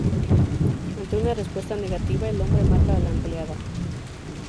Ante una respuesta negativa, el hombre mata a la empleada.